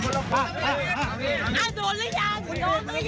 มันจอดอย่างง่ายอย่างง่ายอย่างง่ายอย่างง่าย